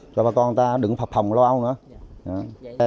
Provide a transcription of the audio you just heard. cho bà con ta đừng phạp phòng lâu âu nữa